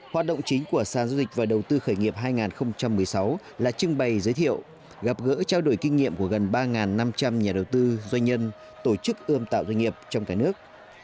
hoạt động chính của sàn du lịch và đầu tư khởi nghiệp hai nghìn một mươi sáu là trưng bày giới thiệu gặp gỡ trao đổi kinh nghiệm của gần ba năm trăm linh nhà đầu tư doanh nhân tổ chức ươm tạo doanh nghiệp trong cả nước